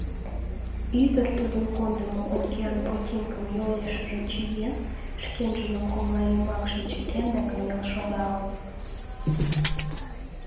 Ӱдыр тудын кондымо конькиан ботинкым йолешыже чиен, шкенжыным коҥлайымакше чыкен да кынел шогалын.